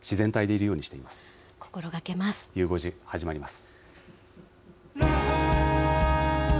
ゆう５時、始まります。